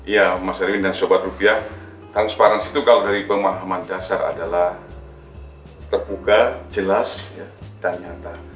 ya mas erwin dan sobat rupiah transparansi itu kalau dari pemahaman dasar adalah terbuka jelas dan nyata